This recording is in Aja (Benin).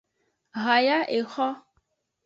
Haya exo.